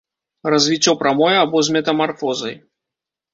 Развіццё прамое або з метамарфозай.